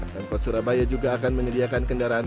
dan kota surabaya juga akan menyediakan kendalian